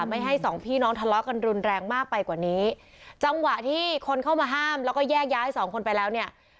ไม่ให้สองพี่น้องทะเลาะกันรุนแรงมากไปกว่านี้จังหวะที่คนเข้ามาห้ามแล้วก็แยกย้ายสองคนไปแล้วเนี่ย